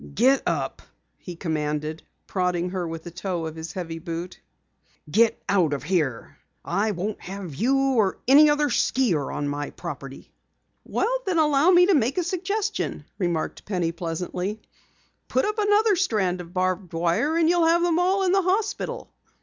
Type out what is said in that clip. "Get up!" he commanded, prodding her with the toe of his heavy boot. "Get out of here! I won't have you or any other skier on my property." "Then allow me to make a suggestion," remarked Penny pleasantly. "Put up another strand of barbed wire and you'll have them all in the hospital!"